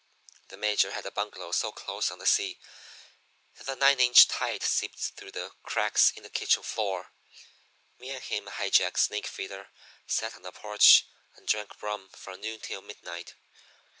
"The Major had a bungalow so close on the sea that the nine inch tide seeped through the cracks in the kitchen floor. Me and him and High Jack Snakefeeder sat on the porch and drank rum from noon till midnight.